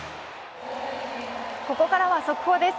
ここからは速報です。